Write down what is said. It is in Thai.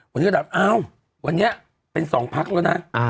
วันนี้ก็แบบอ้าววันนี้เป็น๒พักแล้วนะ